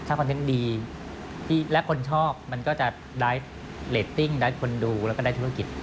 คอนเทนต์ดีและคนชอบมันก็จะได้เรตติ้งได้คนดูแล้วก็ได้ธุรกิจ